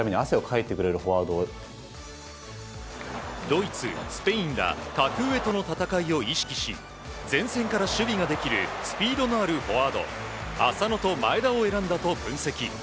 ドイツ、スペインら格上との戦いを意識し前線から守備ができるスピードのあるフォワード浅野と前田を選んだと分析。